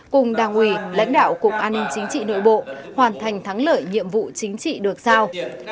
cùng đảng ủy lãnh đạo cục an ninh chính trị nội bộ hoàn thành thắng lợi nhiệm vụ chính trị được sao